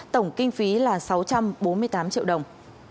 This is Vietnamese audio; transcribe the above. tổng kinh phí là sáu trăm bốn mươi tám triệu đồng